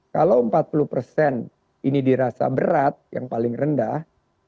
kalau empat puluh persen ini dirasa berat yang paling rendah